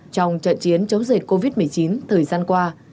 trong trận chiến chống dịch covid một mươi chín thời gian qua